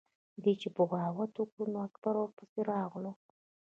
ده چې بغاوت وکړو نو اکبر ورپسې راغلو۔